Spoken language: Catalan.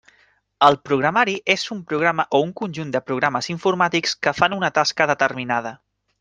El programari és un programa o un conjunt de programes informàtics que fan una tasca determinada.